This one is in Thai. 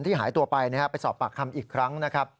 หายตัวไปไปสอบปากคำอีกครั้งนะครับ